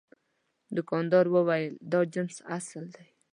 دوکاندار وویل دا جنس اصل دی.